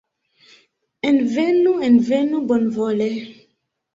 Envenu, envenu bonvole!